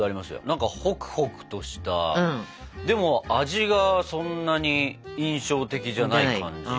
何かホクホクとしたでも味がそんなに印象的じゃない感じかな。